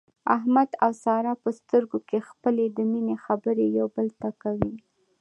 احمد او ساره په سترګو کې خپلې د مینې خبرې یو بل ته کوي.